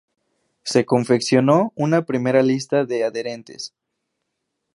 Se confeccionó una primera lista de adherentes.